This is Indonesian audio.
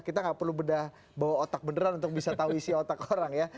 kita nggak perlu bedah bawa otak beneran untuk bisa tahu isi otak orang ya